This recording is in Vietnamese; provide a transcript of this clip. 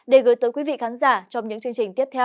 để gửi tới quý vị khán giả trong những chương trình tiếp theo